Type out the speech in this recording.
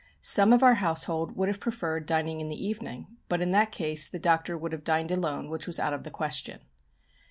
Some of our household would have preferred dining in the evening, but in that case the Doctor would have dined alone, which was out of the question.